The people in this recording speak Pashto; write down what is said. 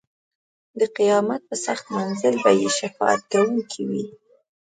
د قیامت په سخت منزل به یې شفاعت کوونکی وي.